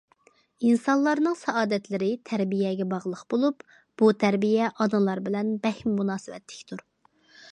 ئىنسانلارنىڭ سائادەتلىرى تەربىيەگە باغلىق بولۇپ، بۇ تەربىيە ئانىلار بىلەن بەكمۇ مۇناسىۋەتلىكتۇر.